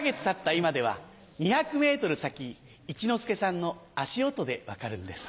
今では２００ｍ先一之輔さんの足音で分かるんです。